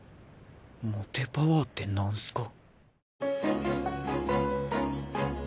モテパワーって何すか？